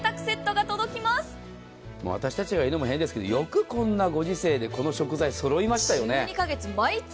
私たちが言うのも変ですがよくこんなご時世でこの食材、揃いましたね。